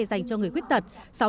dành cho người khuyết tật